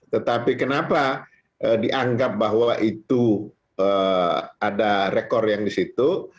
tetapi kenapa dianggap bahwa itu ada rekor yang di situ